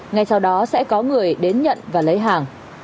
ngay sau đó sẽ có người đến nhận và lấy hàng